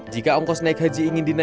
jika ongkos naik haji ingin dinaikkan